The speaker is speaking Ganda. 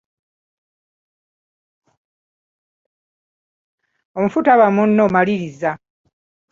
Omufu taba munno, Maliriza.